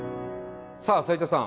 さあ斉田さん。